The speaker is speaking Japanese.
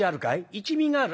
一味がある？